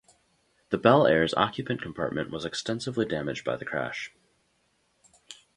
The Bel Air's occupant compartment was extensively damaged by the crash.